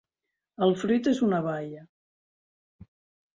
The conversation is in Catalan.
El fruit és una baia.